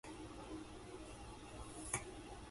そろそろ来年のカレンダーを買わないと